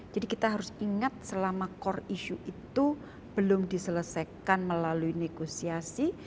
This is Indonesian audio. jadi kita harus ingat selama core issue itu belum diselesaikan melalui negosiasi